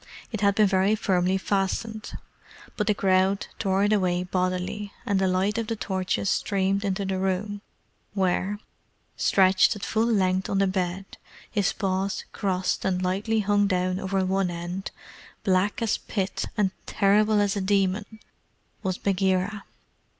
It had been very firmly fastened, but the crowd tore it away bodily, and the light of the torches streamed into the room where, stretched at full length on the bed, his paws crossed and lightly hung down over one end, black as the Pit, and terrible as a demon, was Bagheera.